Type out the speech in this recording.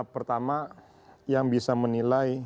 pertama yang bisa menilai